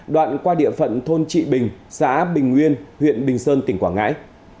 đoạn qua địa phận thôn trị bình xã bình nguyên huyện bình sơn tỉnh quảng ngãi